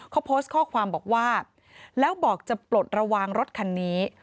เขาโพสต์ข้อความบอกว่าแล้วบอกจะปลดระวังรถคันนี้